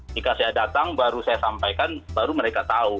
jika saya datang baru saya sampaikan baru mereka tahu